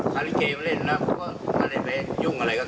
แต่ปีต่อปีนี้มีงานโน้น